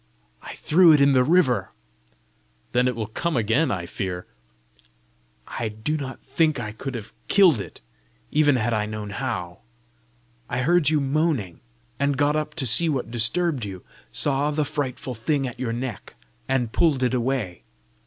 "I threw it in the river." "Then it will come again, I fear!" "I do not think I could have killed it, even had I known how! I heard you moaning, and got up to see what disturbed you; saw the frightful thing at your neck, and pulled it away.